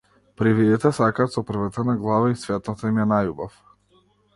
Привидите сакаат со превртена глава и светот им е најубав.